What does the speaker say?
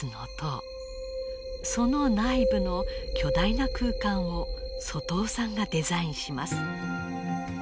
その内部の巨大な空間を外尾さんがデザインします。